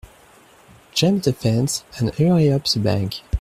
Jump the fence and hurry up the bank.